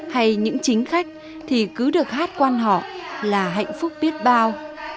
hay những chính khách thì cứ được hát quan họ là hạnh phúc biết bao